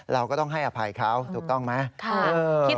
เราก็ต้องให้อภัยเขาถูกต้องไหม